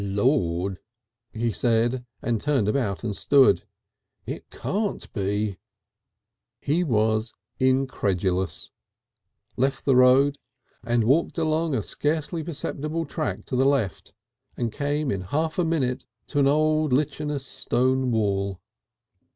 "Lord!" he said, and turned about and stood. "It can't be." He was incredulous, then left the road and walked along a scarcely perceptible track to the left, and came in half a minute to an old lichenous stone wall.